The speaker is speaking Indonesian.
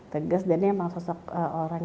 tegas dan dia emang sosok orang